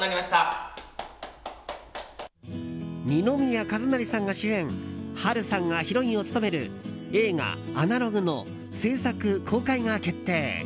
二宮和也さんが主演波瑠さんがヒロインを務める映画「アナログ」の制作・公開が決定。